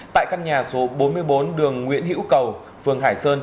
tại căn nhà số bốn mươi bốn đường nguyễn hữu cầu phường hải sơn